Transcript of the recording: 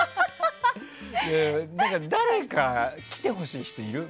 誰か来てほしい人いる？